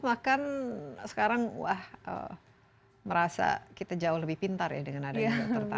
bahkan sekarang wah merasa kita jauh lebih pintar ya dengan adanya dokter tadi